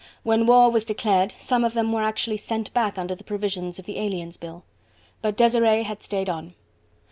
When war was declared, some of them were actually sent back under the provisions of the Aliens Bill. But Desiree had stayed on.